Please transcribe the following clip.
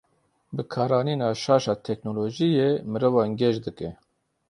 Bikaranîna şaş a teknolojiyê mirovan gêj dike.